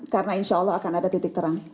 karena insya allah akan ada titik terang